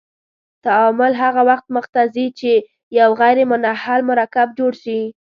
تعامل هغه وخت مخ ته ځي چې یو غیر منحل مرکب جوړ شي.